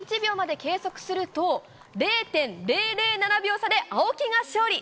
しかし、１０００分の１秒まで計測すると、０．００７秒差で青木が勝利。